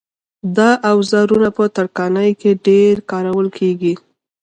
دا اوزارونه په ترکاڼۍ کې ډېر کارول کېږي.